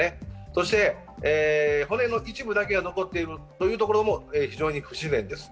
そして、骨の一部だけが残っているというところも非常に不自然です。